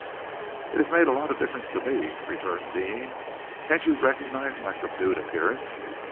"It has made a lot of difference to me," returned Deane. "Can't you recognize my subdued appearance?"